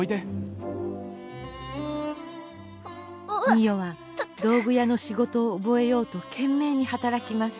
美世は道具屋の仕事を覚えようと懸命に働きます。